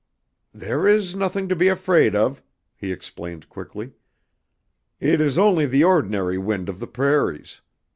"There is nothing to be afraid of," he explained quickly. "It is only the ordinary wind of the prairies.